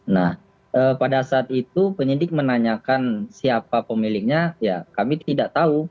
nah pada saat itu penyidik menanyakan siapa pemiliknya ya kami tidak tahu